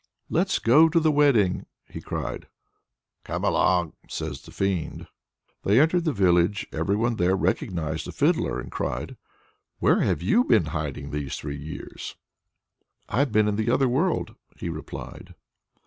"Let's go to the wedding!" he cried. "Come along!" said the fiend. They entered the cottage. Everyone there recognized the Fiddler and cried: "Where have you been hiding these three years?" "I have been in the other world!" he replied.